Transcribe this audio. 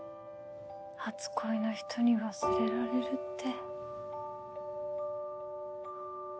初恋の人に忘れられるって。